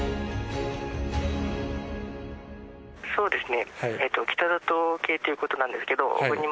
そうですね。